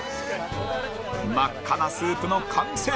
真っ赤なスープの完成